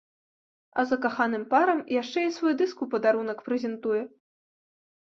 А закаханым парам яшчэ і свой дыск у падарунак прэзентуе.